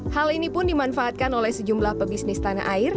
hal ini pun dimanfaatkan oleh sejumlah pebisnis tanah air